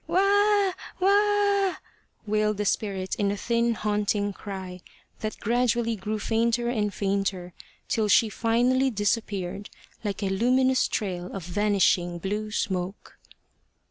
" Wa, Wa !" wailed the spirit in a thin haunting cry, that gradually grew fainter and fainter till she finally disappeared like a luminous trail of vanishing blue smoke.